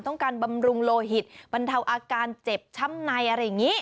บำรุงโลหิตบรรเทาอาการเจ็บช้ำในอะไรอย่างนี้